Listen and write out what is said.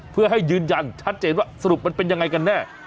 เพื่อให้ยืนยันชัดเจนว่าสรุปมันเป็นยังไงกันแน่